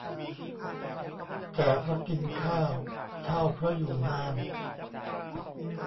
แก่เพราะกินข้าว เฒ่าเพราะอยู่นาน